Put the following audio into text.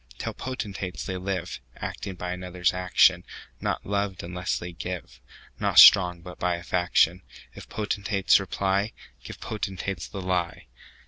Tell potentates, they liveActing by others' action; Not loved unless they give, Not strong, but by a faction:If potentates reply, Give potentates the lie.